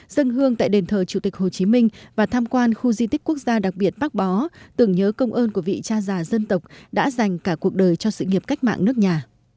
dân hương tại đền thờ chủ tịch hồ chí minh và tham quan khu di tích quốc gia đặc biệt bác bó tưởng nhớ công ơn của vị cha già dân tộc đã dành cả cuộc đời cho sự nghiệp cách mạng nước nhà